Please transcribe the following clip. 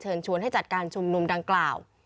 ชวนให้จัดการชุมนุมดังกล่าว